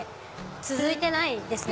続いてないですね